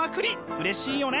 うれしいよね！